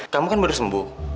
kamu kan baru sembuh